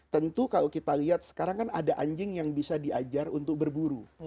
tentu kalau kita lihat sekarang kan ada anjing yang bisa diajar untuk berburu